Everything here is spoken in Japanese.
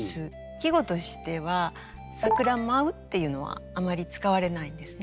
季語としては「桜まう」っていうのはあまり使われないんですね。